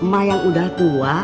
emak yang udah tua